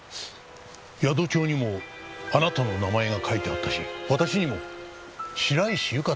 宿帳にもあなたの名前が書いてあったし私にも白石ゆかと名乗っていました。